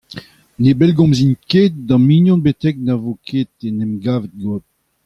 Ne bellgomzin ket da'm mignon betek na vo ket en em gavet Bob.